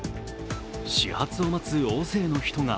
始発を待つ大勢の人が。